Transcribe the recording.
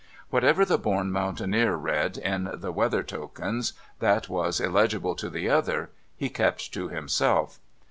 Whatever the born mountaineer read in the weather tokens that was illegible to the other, he kept to himself.